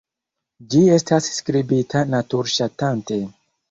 Ĝi estas skribita natur-ŝatante.